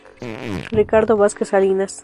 Ricardo Vázquez Salinas.